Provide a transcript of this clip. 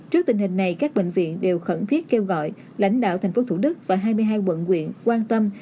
hôm nay các bệnh viện đều khẩn thiết kêu gọi lãnh đạo tp hcm và hai mươi hai quận quyện quan tâm